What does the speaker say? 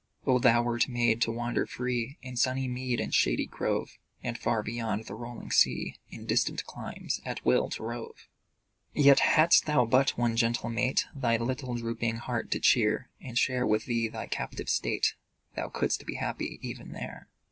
Oh, thou wert made to wander free In sunny mead and shady grove, And far beyond the rolling sea, In distant climes, at will to rove! Yet, hadst thou but one gentle mate Thy little drooping heart to cheer, And share with thee thy captive state, Thou couldst be happy even there.